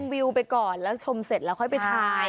วิวไปก่อนแล้วชมเสร็จแล้วค่อยไปถ่าย